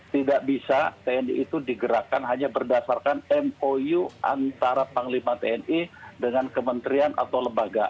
tidak bisa tni itu digerakkan hanya berdasarkan mou antara panglima tni dengan kementerian atau lembaga